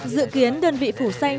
dự kiến đơn vị phủ xanh